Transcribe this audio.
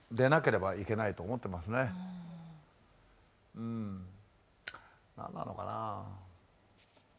うん何なのかな